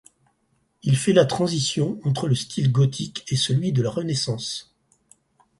Il fait la transition entre le style gothique et celui de la Renaissance.